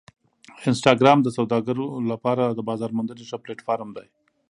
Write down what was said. انسټاګرام د سوداګرو لپاره د بازار موندنې ښه پلیټفارم دی.